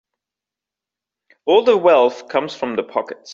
All the wealth comes from the pockets.